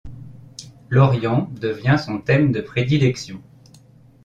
L'orient devient son thème de prédilection.